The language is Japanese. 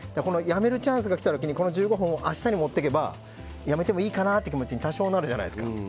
やめるチャンスが来た時にこの１５分を明日に持っていけばやめてもいいかなという気持ちになるじゃないですか。